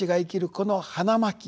この花巻